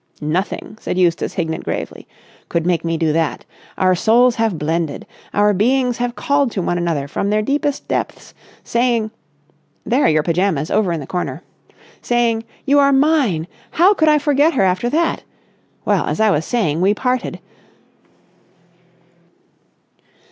"Nothing," said Eustace Hignett gravely, "could make me do that. Our souls have blended. Our beings have called to one another from their deepest depths, saying.... There are your pyjamas, over in the corner ... saying 'You are mine!' How could I forget her after that? Well, as I was saying, we parted.